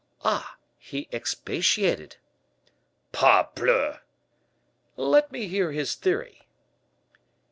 "Ah! he expatiated?" "Parbleu!" "Let me hear his theory."